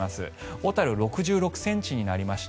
小樽、６６ｃｍになりました。